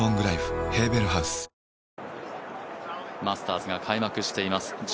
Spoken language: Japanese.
マスターズが開幕しています。